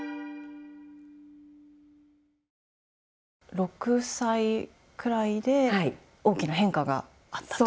６歳くらいで大きな変化があったと。